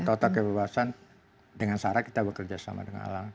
tata kebebasan dengan cara kita bekerja sama dengan alam